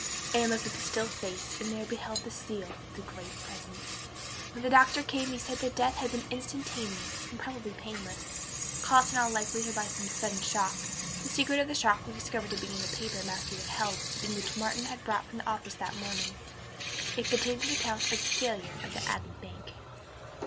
Anne looked at the still face and there beheld the seal of the Great Presence. When the doctor came he said that death had been instantaneous and probably painless, caused in all likelihood by some sudden shock. The secret of the shock was discovered to be in the paper Matthew had held and which Martin had brought from the office that morning. It contained an account of the failure of the Abbey Bank.